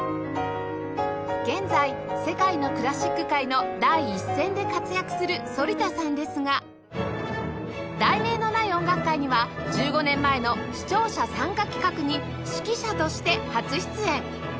現在世界のクラシック界の第一線で活躍する反田さんですが『題名のない音楽会』には１５年前の視聴者参加企画に指揮者として初出演！